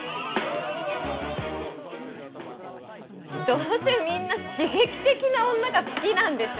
どうせみんな刺激的な女が好きなんでしょ